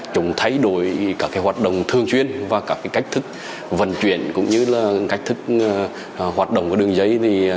chúng thay đổi các hoạt động thường chuyên và các cách thức vận chuyển cũng như là cách thức hoạt động của đường dây